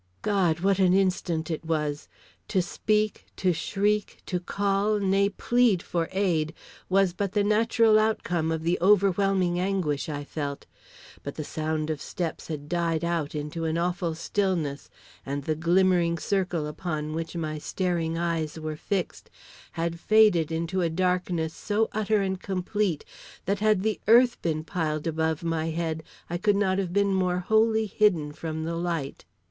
God! what an instant it was! To speak, to shriek, to call, nay plead for aid, was but the natural outcome of the overwhelming anguish I felt, but the sound of steps had died out into an awful stillness, and the glimmering circle upon which my staring eyes were fixed had faded into a darkness so utter and complete, that had the earth been piled above my head, I could not have been more wholly hidden from the light.